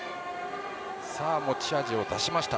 持ち味を出しました